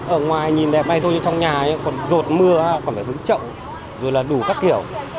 ở ngoài nhìn đẹp này thôi trong nhà còn rột mưa còn phải hứng trậu rồi là đủ các kiểu